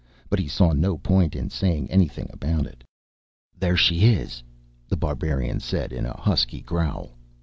But he saw no point in saying anything about it. "There she is," The Barbarian said in a husky growl.